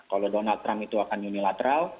kalau donald trump itu akan unilateral